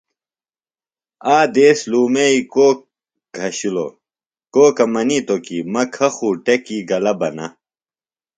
آ دیس لُومئی کوک گھشِلوۡ۔ کوکہ منیتوۡ کی مہ کھہ خو ٹیۡکی گلیۡ بہ نہ کھہ۔